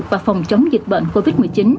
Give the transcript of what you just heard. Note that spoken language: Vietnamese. và phòng chống dịch bệnh covid một mươi chín